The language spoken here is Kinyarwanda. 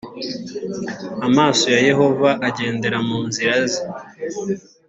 amaso ya yehova agendera munzira ze